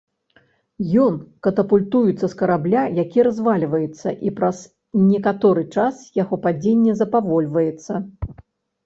Ён катапультуецца з карабля, які развальваецца, і праз некаторы час яго падзенне запавольваецца.